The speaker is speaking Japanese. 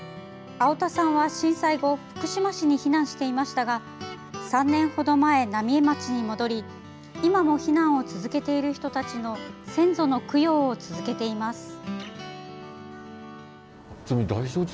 青田さんは、震災後福島市に避難していましたが３年ほど前、浪江町に戻り今も避難を続けている人たちの先祖の供養を続けています。